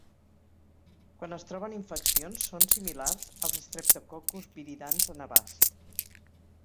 Quan es troben infeccions, són similars als "Streptococcus viridans" en abast.